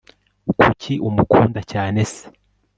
kuki umukunda cyane se